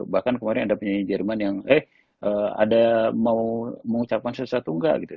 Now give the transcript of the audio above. bahkan kemarin ada penyanyi jerman yang eh ada mau mengucapkan sesuatu nggak gitu